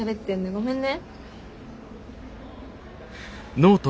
ごめんね。